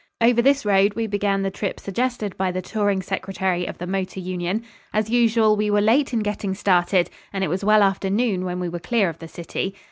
Over this road we began the trip suggested by the Touring Secretary of the Motor Union. As usual, we were late in getting started and it was well after noon when we were clear of the city.